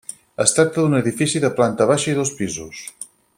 Es tracta d'un edifici de planta baixa i dos pisos.